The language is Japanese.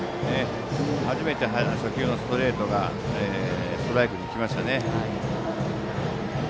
初めて初球のストレートがストライクに来ましたね。